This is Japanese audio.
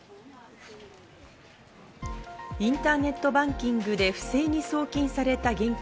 インターネットバンキングで不正に送金された現金